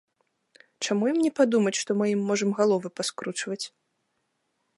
Чаму ім не падумаць, што мы ім можам галовы паскручваць!